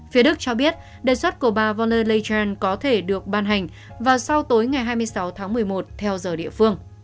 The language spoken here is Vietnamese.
phía đức cho biết đề xuất của bà von der leyen có thể được ban hành vào sau tối ngày hai mươi sáu một mươi một theo giờ địa phương